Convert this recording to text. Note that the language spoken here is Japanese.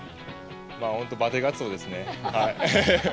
本当、バテガツオですね。